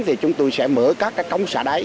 thì chúng tôi sẽ mở các cái cống xả đáy